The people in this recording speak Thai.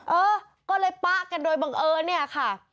เออก็เลยป๊ะกันโดยบังเอิญเนี่ยค่ะ